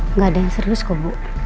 nggak ada yang serius kok bu